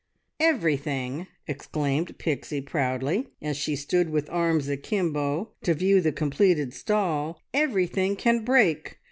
"Everything!" exclaimed Pixie proudly, as she stood with arms akimbo to view the completed stall, "everything can break!